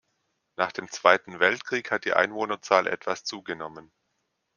Nach dem Zweiten Weltkrieg hat die Einwohnerzahl etwas zugenommen.